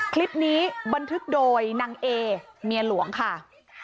คลิปนี้บันทึกโดยนางเอเมียหลวงค่ะ